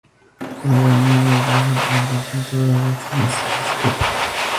Elabora un nido a baja elevación sobre los arbustos, mezquites o cactus.